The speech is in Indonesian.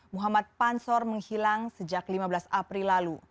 muhammad pansor menghilang sejak lima belas april lalu